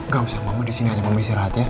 gak usah mama disini aja mama istirahat ya